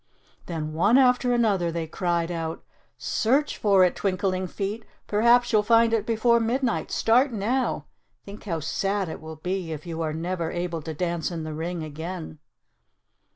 Then one after another they cried out. "Search for it, Twinkling Feet. Perhaps you'll find it before midnight. Start now. Think how sad it will be if you are never able to dance in the ring again."